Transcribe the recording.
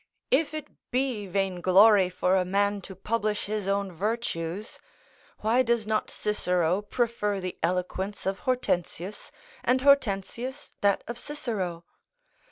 If it be vainglory for a man to publish his own virtues, why does not Cicero prefer the eloquence of Hortensius, and Hortensius that of Cicero?